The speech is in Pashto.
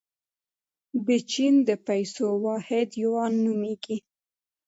د چین د پیسو واحد یوان نومیږي.